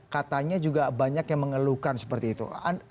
katanya juga banyak yang mengeluhkan seperti itu